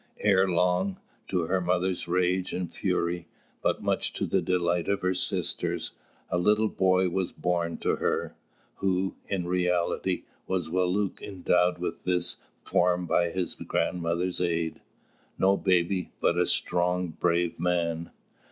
Ere long, to her mother's rage and fury, but much to the delight of her sisters, a little boy was born to her, who, in reality, was Wālūt endowed with this form by his grandmother's aid, no baby, but a strong brave man.